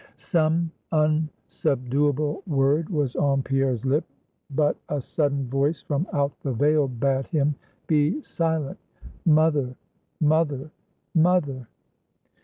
Some unsubduable word was on Pierre's lip, but a sudden voice from out the veil bade him be silent. "Mother mother mother!"